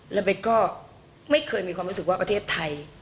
แล้วเบสก็ไม่เคยมีความรู้สึกว่าประเทศไทย